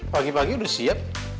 pagi pagi udah siap